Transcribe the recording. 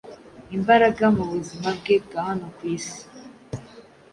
imbaraga mu buzima bwe bwa hano ku isi.